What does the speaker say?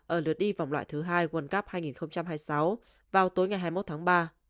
ở lượt đi vòng loại thứ hai world cup hai nghìn hai mươi sáu vào tối ngày hai mươi một tháng ba